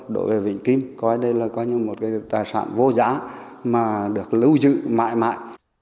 đối với vĩnh kim đây là một tài sản vô giá mà được lưu trữ mãi mãi